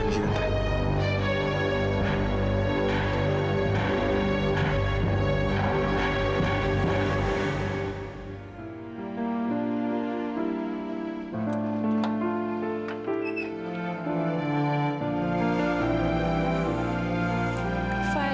terima kasih tante